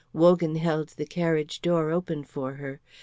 Wogan held the carriage door open for her.